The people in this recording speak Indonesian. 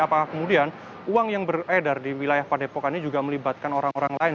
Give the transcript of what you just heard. apakah kemudian uang yang beredar di wilayah padepokan ini juga melibatkan orang orang lain